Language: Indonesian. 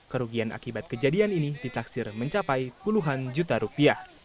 kerugian akibat kejadian ini ditaksir mencapai puluhan juta rupiah